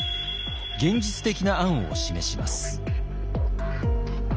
現実的な案を示します。